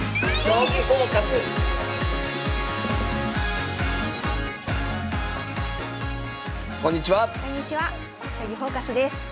「将棋フォーカス」です。